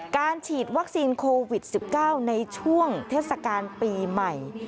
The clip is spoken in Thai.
การฉีดวัคซีนโควิด๑๙ในช่วงเทศกาลปีใหม่